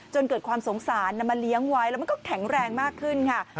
เกิดความสงสารนำมาเลี้ยงไว้แล้วมันก็แข็งแรงมากขึ้นค่ะ